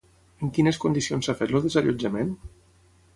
En quines condicions s'ha fet el desallotjament?